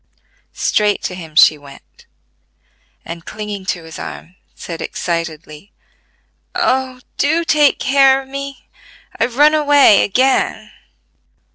Straight to him she went, and clinging to his arm said excitedly: "Oh, do take care of me: I've run away again!"